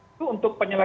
itu untuk penyelesaian